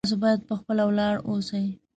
تاسو باید په خپله ولاړ اوسئ